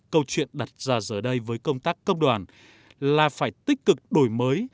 câu chuyện đặt ra giờ đây với công tác công đoàn là phải tích cực đổi mới